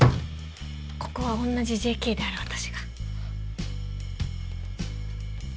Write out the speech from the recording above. ここは同じＪＫである私が。